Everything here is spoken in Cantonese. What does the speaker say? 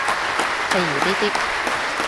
譬如呢啲